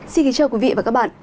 xin kính chào quý vị và các bạn